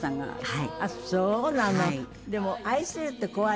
はい。